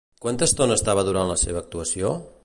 Quanta estona estava durant la seva actuació?